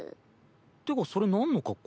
ん？ってかそれなんの格好？